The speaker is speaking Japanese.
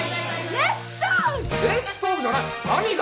レッツトークじゃない谷田！